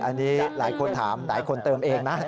อันนี้หลายคนถามหลายคนเติมเองนะ